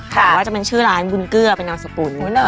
แต่ว่าจะเป็นชื่อร้านบุญเกลือเป็นนามสกุล